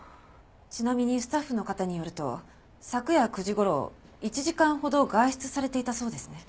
ちなみにスタッフの方によると昨夜９時頃１時間ほど外出されていたそうですね。